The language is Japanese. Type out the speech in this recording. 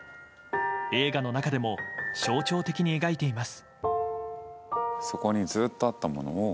映画の中でも象徴的に描いています。